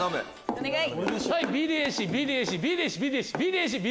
お願い！